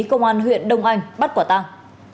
công an huyện đông anh bắt quả tang